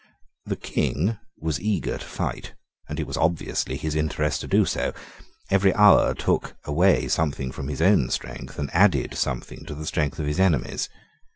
The King was eager to fight; and it was obviously his interest to do so. Every hour took away something from his own strength, and added something to the strength of his enemies.